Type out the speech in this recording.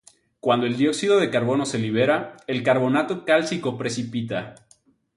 Cuando el dióxido de carbono se libera, el carbonato cálcico precipita.